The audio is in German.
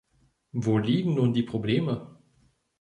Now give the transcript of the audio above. Wo liegen nun die Probleme?